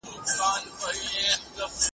لاعجبه بې انصافه انسانان دي `